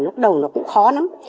lúc đầu nó cũng khó lắm